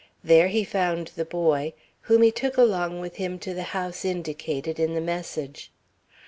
There he found the boy, whom he took along with him to the house indicated in the message.